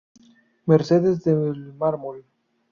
Mercedes del Mármol.